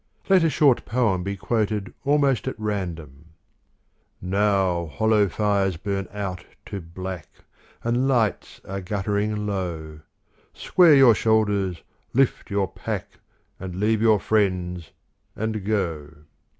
Let a short poem be quoted almost at random : Now hollow fires burn out to black, And lights are guttering low. Square your shoulders, lift your pack, And leave your friends, and go.